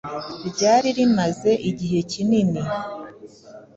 ryari rimaze igihe kinini